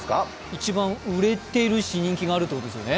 一番売れてるし、人気があるということですよね。